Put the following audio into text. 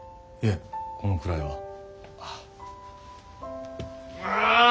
いえこのくらいは。